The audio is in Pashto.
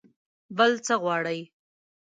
بل څه غواړئ؟